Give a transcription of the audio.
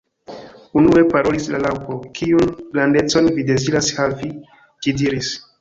Unue parolis la Raŭpo. "Kiun grandecon vi deziras havi?" ĝi diris.